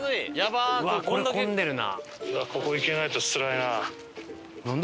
うわっこれ混んでるな。